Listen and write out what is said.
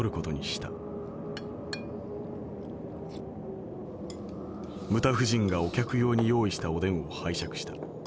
牟田夫人がお客用に用意したおでんを拝借した。